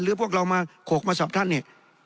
พวกเรามาโขกมาสอบท่านเนี่ย